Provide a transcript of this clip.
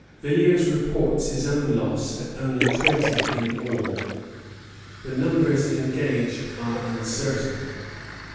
Villiers reports his own loss at only twenty in all. The numbers engaged are uncertain.